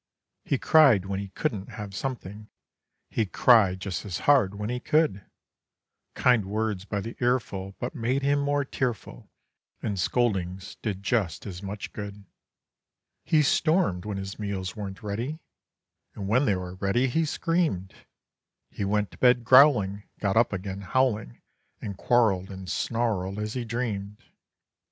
He cried when he couldn't have something; He cried just as hard when he could; Kind words by the earful but made him more tearful, And scoldings did just as much good. He stormed when his meals weren't ready, And when they were ready, he screamed. He went to bed growling, got up again howling And quarreled and snarled as he dreamed.